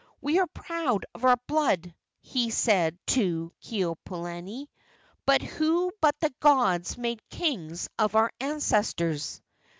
"We are proud of our blood," he said to Keopuolani, "but who but the gods made kings of our ancestors?"